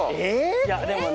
いやでもね